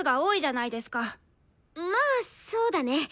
まあそうだね。